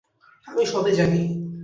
আমি সবই জানি।